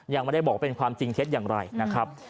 ยังไม่ได้บอกว่าเป็นความจริงเท็จอย่างไรนะครับ